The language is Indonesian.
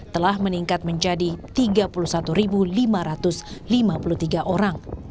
telah meningkat menjadi tiga puluh satu lima ratus lima puluh tiga orang